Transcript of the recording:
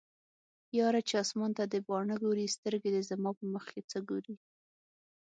یاره چې اسمان ته دې باڼه ګوري سترګې دې زما په مخکې څه ګوري